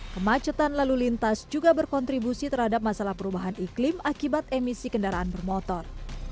kemacetan lalu lintas juga berkontribusi terhadap masalah perubahan iklim akibat emisi kendaraan bermotor